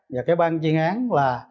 và cái ban chuyên án là